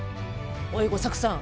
おい吾作さん。